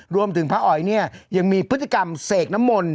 พระอ๋อยเนี่ยยังมีพฤติกรรมเสกน้ำมนต์